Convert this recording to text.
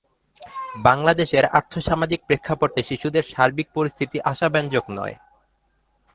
বাংলাদেশের আর্থসামাজিক প্রেক্ষাপটে শিশুদের সার্বিক পরিস্থিতি আশাব্যঞ্জক নয়।